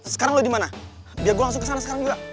sekarang lo dimana biar gua langsung kesana sekarang juga